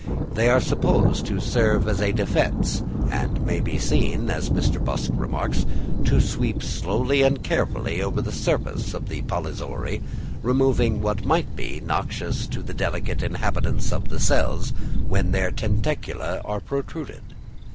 They are supposed to serve as a defence, and may be seen, as Mr. Busk remarks, "to sweep slowly and carefully over the surface of the polyzoary, removing what might be noxious to the delicate inhabitants of the cells when their tentacula are protruded."